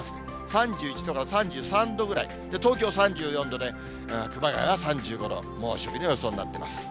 ３１度から３３度ぐらい、東京３４度で、熊谷が３５度、猛暑日の予想になっています。